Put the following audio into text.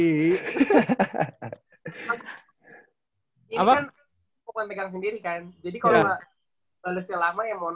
gue mau pegang sendiri kan